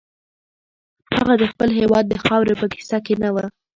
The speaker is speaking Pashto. هغه د خپل هېواد د خاورې په کیسه کې نه و.